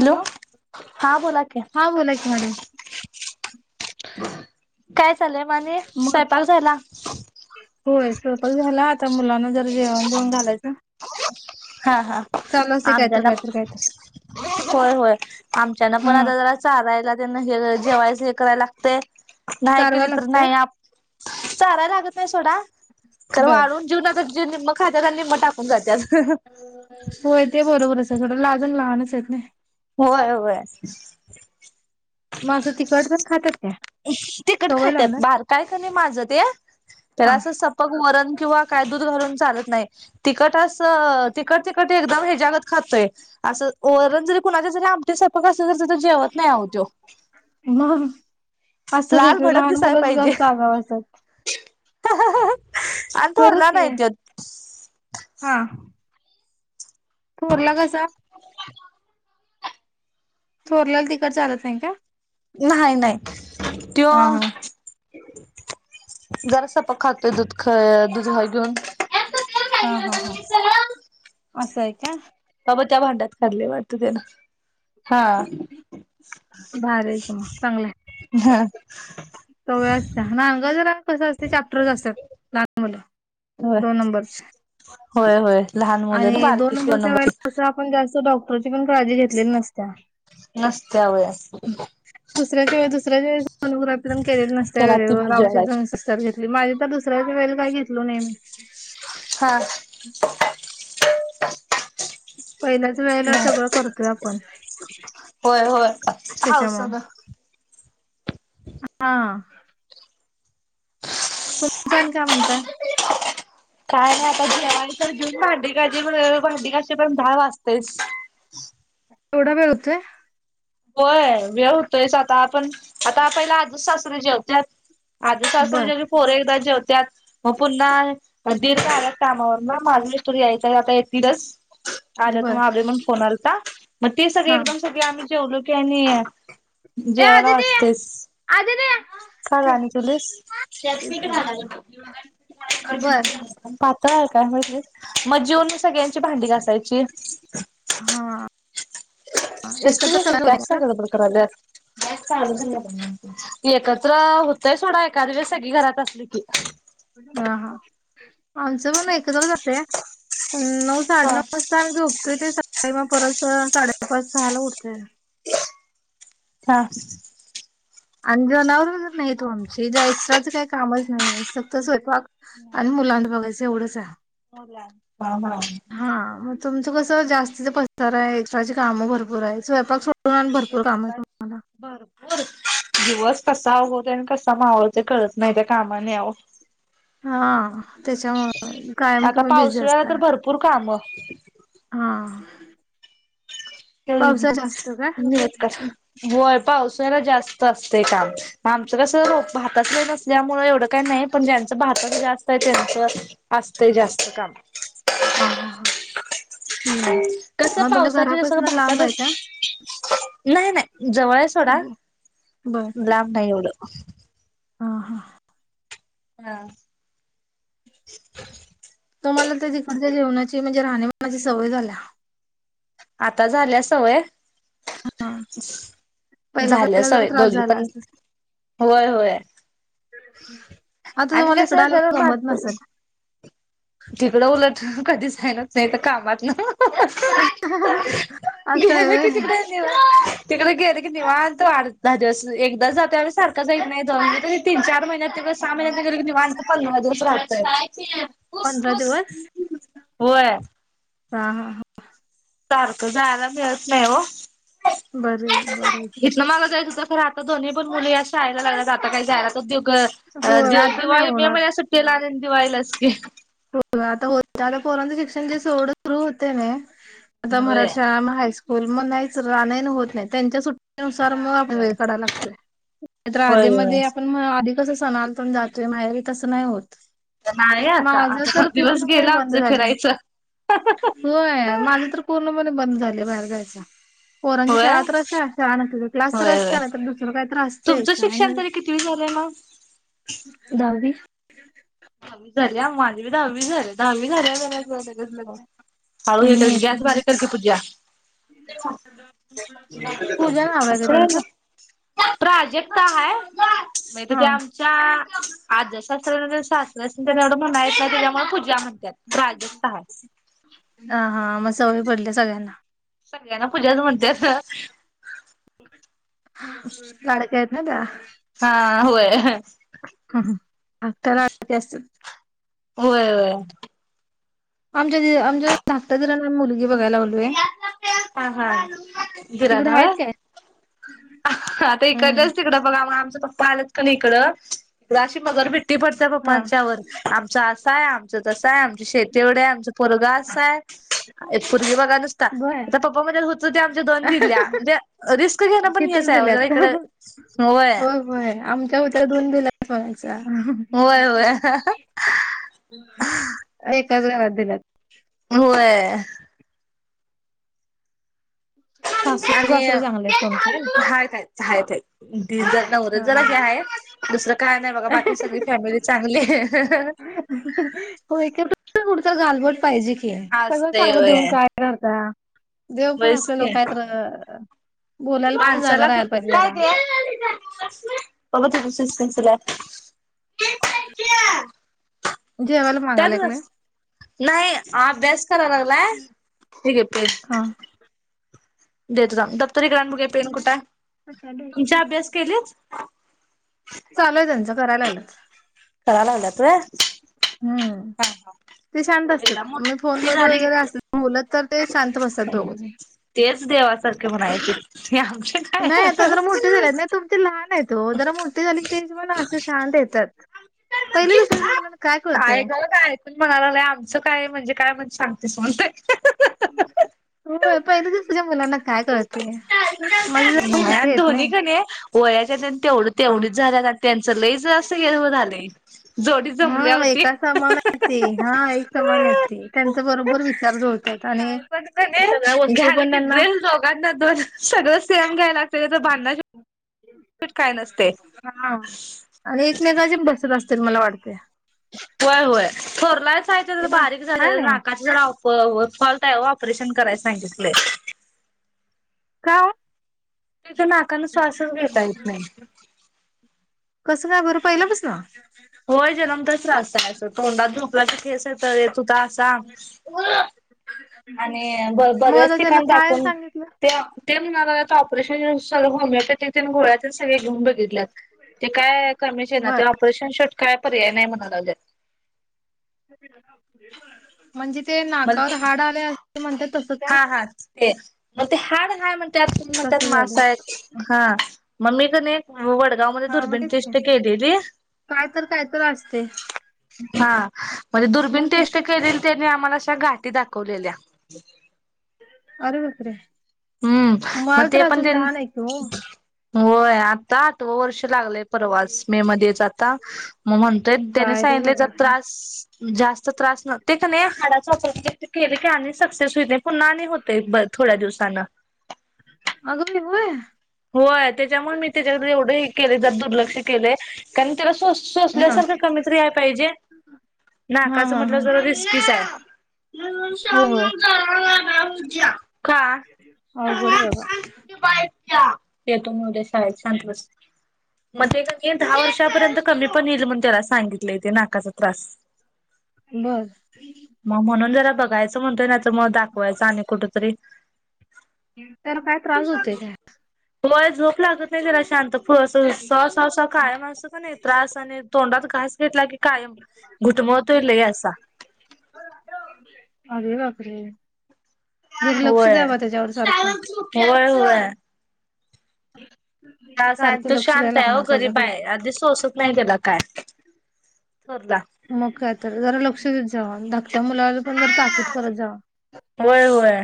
Hello हा बोला की हा बोलायच मॅडम काय [inaudible] मग आणि मग स्वयपाक झाला होय स्वयंपाक झाला आता मुलांना जरा जेवण देेवन घालायचं हा हा चालू असतंय कायतर आमच्याना कायतर कायतर होय होय आमच्याना हा पण आता जरा चारायला त्यां हे जेवायच हे कराय लागतय नाही चारवाय केली तर लागतंय नाही आप साराय लागत सोडा तर बर वाळून जेवून आत्ता निम्म खात्यात आणि निम्म टाकून जात्यात होय ते बरोबरच आहे थोडं लाजण लहानच आहेत ना होय होय मग असं तिखट तेन खात्यात काय तिखट सवय खात्यात लागलाय बारकाय कणी माझं ते हा त्याला सपक असं वरण किंवा दूध घालून चालत नाही तिखट अस [inaudible] [inaudible] एकदम हेच्यागत खातंय अस वरण जरी कुणाच्यातरी प कसं क त तर जेवत नाही आहो तो मग असतात लाल की भडक लहान दिसाय मुलंच पाहिजे जास्त आगाव असतात अन खरंच थोरला की नाय तो हा थोरला कसा थोरल्याला तिखट चालत नाही काय नाही नाही त्यो हा हा जरासं पखात पे दुध खा दुध जागून हा हा हा असंय का त्या भांड्यात खाल्ले वाटत त्याना हा भारी आहे की मग चांगलंय हा सवय असत्या कस असते चॅप्टर असतात लान मु होय दोन नंबर होय होय लहान मुलं ना आणि दोन बारकीशी नंबरच्या नंबरची. वेळेला आपण जास्त डॉ ची पण काळजी घेतलेली नसत्या नसत्या वय घ दुसऱ्याच्या वे दुसऱ्याच्या व सोनोग्राफी प केलेली नसत त्याला वेळे ती भाजी औषध वाढायची सत्कार घेतली माझी तर दुस दुसऱ्याच्या वेळेला काय घेतलं नाही मी हा. पहिल्याच वेळेला सगळं होय करतोय आपण होय हावसन त्याच्यामुळे. हा. तुमचं आणि काय म्हणता? काय नाही आता जेवायचं भांडी घासेपर्यंत भांडी दहा वाजतोयच. तेवढा वेळ होतोय? होय वे होतोयच आता आपण आता पहिला आजे सासरे जेवत्यात. आजे सासरे बर जवले कि पोर एकदा जेवता त्यात हो पुन्हा दीर आलात कामावर ना माझा इस्त यायचंय आता येतीलच आलेत बर म्हणून मग फोन आलता मग ते सगळे हा एकदम सगळे आम्ही जेवलो कि ए जेवाला आदिती वाचतेस आदिती का ठेव गाणी तुस [unintelligible] ते झालं की मग. बर काय काय म्हण [inaudible] मग जेवून मी सगळ्यांची भांडी घासा सस् हा एकत्र सगळं [unintelligible] होतंय का? कॅशग बरकार [unintelligible] त एकत्र होत तय सोडा एखाद्या वेस सगळी घरात असली की हा हा आमचं पण एकत्र जातं. नऊ साडे हा. नऊ वाजता आम्ही झोपतय ते काव परत साडेपाच सहाला उठतोय चहा. आणि जनावर वैगरे नाही तो आमची ज एक्स्ट्राचं काही कामाचं नाही फक्त स्वयंपाक आणि मुलांना बघायचं एवढंच आहे. बला [unintelligible] हा हा. तुमचं कसं जास्तीच पसार आहे एक्स्ट्राचे कामं भरपूर आहे स्वयंपाक सोडून आणि ते भरपूर काम आहे तुम्हाला भरपूर दिवस कसा उगतंय आणि कसा कसा मावळतोय ते कळत नाही त्या कामाने आवो. हा त्याच्यामुळे कायम तुम्ही बिझी असता ह हा पावसात जास्त काय ह का ब [inaudible] पावसा्याला जास्त असते काम आमचं कसं भातच लाईन असल्यामुळे एवढं काही नाही पण ज्यांचं भातण जास्त आहे त्यांच असतेय जास्त काम हा हा हा नाही् कसं मग तुमच्या पावसाचे जस घरापासून लांब आहे भातातच का? नाही, नाही जवळ आहे सोडा, बर लांब नाही एवढं हा -हा हा तम्हाला तिकडच्या जेवणाची म्हणजे राहणीमानाची सवय झालीये. आता झाली आहे सवय. पहिला झालं पहिला जरा सवय त्रास दोघी झाला पण असेल होय होय. आता आणि तुम्हाला इकडं कसं आलं जरा करमत नसेल तिकडं उलट कधी जाणच झालंच नाही तर कामात ना असं आहे गेले की व्हय तिकडे, तिकडे गेले की निवांत वाढत द एकदा त्या सारखं जात नाही. तीन चार महिने सामने जरी निवांत प [unintelligible] कायच पंधरा दिवस होय हा- हा- हा सारखं जायला मिळत नाही हो बर- बरं खर आता दोनहीण मुली असायला लागत आता काय जायला तर होय आता नाही दिवाळी, मे होणार महिन्याच्या सुट्टीलाच की दिवाळीला कीं हो आता हो आता पोरच शिक्षण जे सोडं सुरू होते ना आता होय. मराठशाळामग हायस्कूल होय मग नाहीच रहाणे होत नाही त्यांच्या सुट्टी नुसार मग आपण वेळ काढावा लागतोय तर आधी होय होय मध्ये आपण मग आधी कसं सणाला पण जातोय माहेरी तसं नाही होत. [unintelligible] आता [unintelligible] माझ तर दिवस पूर्णपणे गेला आमचं फिरायचं बंद झाले माहेरी जायच पोरांच्या होय शाळा तर असते क्लास तर होय असते होय. तर दुसर काही तर असते तुमचं शिक्षण तरी कितवी झालंय मग? या [inaudible] दहावी झाली आ माझी बी दहावी झाले दहावी झाल्यावर [unintelligible] हे हम्म गॅस बारीेक कर की पूजा [unintelligible] पूजा नाव आहे का त्यांचं [unintelligible] प्राजक्ता. [unintelligible] आमच्या [unintelligible] [unintelligible] हा [unintelligible] त्याच्यामुळे पूजा म्हण हा हा मग सवय पडली सगळ्यांना सगळ्यांना पूजाच म्हणते [unintelligible] हा होय [unintelligible] [unintelligible] होय आमच्या [unintelligible] जर मुली ये बघायला [unintelligible] बोलूय ह हा [unintelligible] आता इकडच हम्म तिकडं बघा [unintelligible] तिचे पप्पा आलेत की नाही इकड [unintelligible] [unintelligible] [unintelligible] हा आमचं तसं आहे आमचे शेती एवढे आहे आमच पोरग असयं बघा [unintelligible] बर आमच्या दोन दिल्या म्हणजे [unintelligible] रिस्क घेण पण हे तिथून आहे दिल्यात इकड होय [inaudible] होय होय [unintelligible] [unintelligible] दिलात होय सासू आणि सासरे चांगले आहेत तुमचे -हाय काय हाय ताई दीर आणि नवरा जरा हा हे आहेत दुसर काय नाही बघा बाकी सगळी फॅमिली चांगलीये तर [unintelligible] पाहिजे की -सगळ चांगलं देऊन होय काय करता देव पण आपल्या लोकाय तर बोलायला हां पण जागा चला ग, राहायला पाहिजे काय जरा. ते? बघत होती सनस्क्रीनचा लॅब [inaudible] मागायला त्यात लागलंय. नसत, नाही अभ्यास करा लागलाय, ठीक आहे प हा. देत जा, दप्तर इकड आण, कुठे हे पेन कुठे, तुमचे अभ्यास केल्यात चालूय त्यांचं, करायला लागलंच कराया लागलात होय? हम्म ते शांत एकदा असतात, मी मोठी फोनवर झाली वगैरे की असले बोलत तर ते शांत बसतात दोघ तेच देवासारखे म्हणायचे हे आमचे काय नाही आता जरा मोठे झाले ना, तुमचे लहान आहेत. तो जरा मोठे झाली की तेच मुलं असे शांत येतात. पहिली दुसरीच्या मुलांना काय कळतय ऐकायला काय ऐकून म्हणायला लागलंय आमचं काय म्हणजे काय म्हण सांगतेस हो हो पहिली दुसरीच्या मुलांना काय कळतंय? माझे जरा मोठे आहेत धोनी नाही. कणी व्ह त्याच्यात तेवढं तेवढीच [unintelligible] हा जमल्या होती. एका समान हायत ते हा एक समान हायत ते. त्यांच बरोबर विचार जुळतात आणि काय पण सगळ्या कणी वस्तू घ्याल पण की त्यांना ड्रेस दोघांना दोन सगळं सेम घ्यायला लागतय नाइ तर भांडणा शि हा आणि एकमेकांचे बसत अस चल मला वाढ [inaudible] व्हय व्हय थोरलायचं काय ते जरास का बारीक हाय झालेला ना नाकाची राव व्हय व फॉल्ट हाय वं ऑपरेशन कराय सांगितलय. का? तिच्या नाकान श्वासच घेता येत नाइ. पहिल्यापसन. होय जन्मताचं ञास त्याच्या तोंडात झोपला की फेस येतय येत होता असा. [inaudible] आणि मग बर्याच आता त्याला ठिकाणी काय दाखवून सांगितलं तेय ते म्हणा लागल्यात ऑपरेशन हुस साधं होमिओपथीतील गोळ्यातील सगळे घेऊन बघितल्यात ते काय कमीच इना बर ते ऑपरेशन [unintelligible] काय पर्याय नाइ म्हणा लागल्यात. पण म म्हणतात तसं काय हा हा ते म ते हाड हाय म्हणत्यात कोणी म्हणत्यात तसं मास झालं हाय हा. म मी कणी वडगाव मध्ये हा मग दुर्बीण तेच की टेस्ट केलेली काय तर काय तर असतय. हा. म्हणजे दुर्बीन टेस्ट केलेली तेनी आम्हाला गाठी दाखवलेल्या हम्म मग मळं तर ते पण अजून त्यां लहान हाय की ओ. होय आता आठव वर्ष लागलय परवास मे मध्येचं आता म म्हणतोय त्यान काय रे सांगितल यच बाबा त्रास जास्त त्रास न ते कनी हाडाचा [unintelligible] केले की आणि सक्सेस हो पुन्हा आणि होतय ब थोड्या दिवसानं अगवी हुय. हो त्याच्यामुळे मी त्याच्याक एवढं केले जर दुर्लक्ष केले कारण त्याला हा सोसल्यासारखं कमीतरी आहे. पाहिजे हा नाकाचं हा म्हटलं हा जरा रिस्कीच आहे. म सग होय होय का अवघड आहे बाबा बा [inaudible] ह येतो मो शाळ शांत बस. म ते कणी दहा वर्षपर्यंत. कमी पण येईल म्हणून त्याला सांगितलं ते नाकाचा त्रास बस मग म्हणून जरा बघायचं म्हणतोय ना तर मग दाखवायचं आणि कुठतरी त्याला काय त्रास होतय काय. व झोप लागत नाही जरा शांत होव सव काय माणसं प नाही त्रास आणि तोंडात कास घेतला की कायम घुटमतलेय लई असा. आरे बापरे. जरा लक्ष होय, द्यावा त्याच्यावर होय, होय. अच् [inaudible] तास आणि तो शांत आहे. हो गरीब त्याच्याकडे आहे. आधी सोसत नाही त्याला काय थोरला. मग का तर जरा लक्ष देत जावा. मुलाला पण जर ताकीद करत जावा वय वय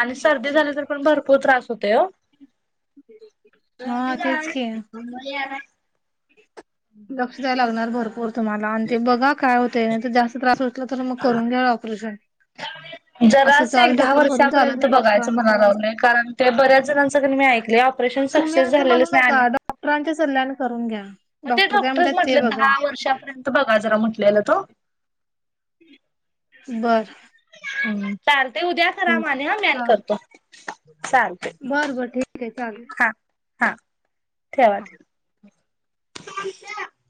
आणि सर्दी झाली तर पण भरपूर त्रास होतोय ओ. हा त का तेच की मु [inaudible] लक्ष द्याय लागणार भरपूर तुम्हाला आणि ते बघा काय होत ते. जास्त त्रास असला तर मग करून घ्या ऑपरेशन असं जरास चाल एक दहा ढकल करून चालत वर्षापर्यंत नाही बघायचं म्हणाय डॉक्टरांचं लागलोय कारण ते बऱ्याच जणांच कनि मी ऐकले ऑपरेशन तुम्ही सक्सेस असं म्हणू झालेलेच नाही आले नका डॉक्टरांच्या सल्ल्याने करून घ्या. मग ते काय डॉक्टर म्हणतात ते म्हटलं बघा दहा वर्षापर्यंत बघा जरा म्हटलं आपल्या ला तो. बर. हम चार ते उद्या करा ठीक आहे मी आणि चा- करतो. चालते बर बर ठीक आहे चालेल. हां ठेवा ठेवा. ष [inaudible]